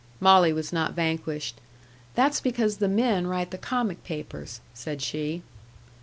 Molly was not vanquished. "That's because the men write the comic papers," said she.